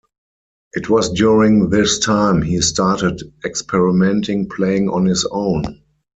It was during this time he started experimenting playing on his own.